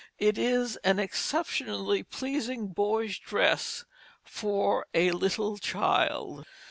It is an exceptionally pleasing boy's dress for a little child.